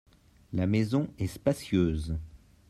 La maison est spacieuse.